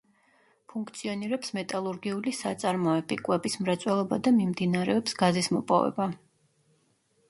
ფუნქციონირებს მეტალურგიული საწარმოები, კვების მრეწველობა და მიმდინარეობს გაზის მოპოვება.